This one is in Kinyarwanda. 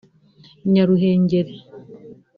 Nyaruhengeri